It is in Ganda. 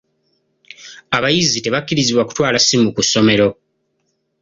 Abayizi tebakkirizibwa kutwala ssimu ku ssomero.